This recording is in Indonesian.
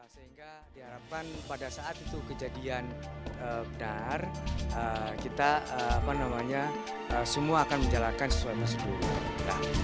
sehingga diharapkan pada saat itu kejadian benar kita semua akan menjalankan sesuai prosedur